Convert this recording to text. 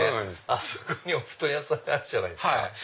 あそこにお布団屋さんがあるじゃないですか。